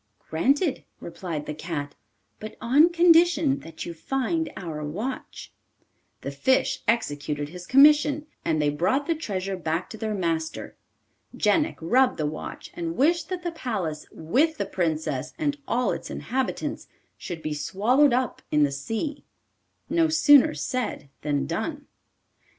'Granted,' replied the cat; 'but on condition that you find our watch.' The fish executed his commission, and they brought the treasure back to their master. Jenik rubbed the watch and wished that the palace, with the Princess and all its inhabitants, should be swallowed up in the sea. No sooner said than done.